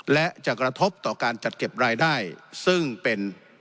และจะกระทบต่อการจัดเก็บรายได้ซึ่งเป็น